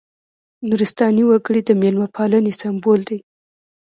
نورستاني وګړي د مېلمه پالنې سمبول دي.